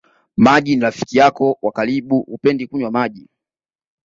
Maji ni rafiki yako wa karibu hupendi kunywa maji